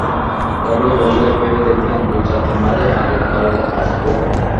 ঘটক বললে, ভেবে দেখবেন, দু-চারদিন বাদে আর-একবার আসব।